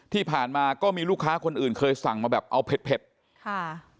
ที่ผ่านมาก็มีลูกค้าคนอื่นเคยสั่งมาแบบเอาเผ็ดค่ะ